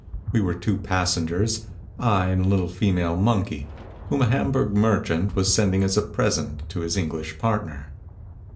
We were two passengers ; I and a little female monkey, whom a Hamburg merchant was sending as a present to his English partner.